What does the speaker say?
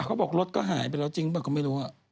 เขาบอกรถก็หายไปแล้วจริงป่ะก็ไม่รู้